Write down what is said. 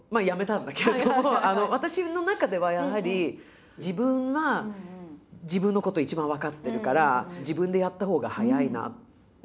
でも私の中ではやはり自分が自分のこと一番分かってるから自分でやったほうが早いなっていう。